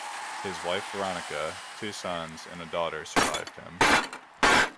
His wife Veronica, two sons, and a daughter survived him.